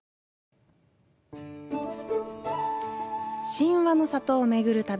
神話の里を巡る旅。